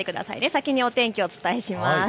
先にお天気をお伝えします。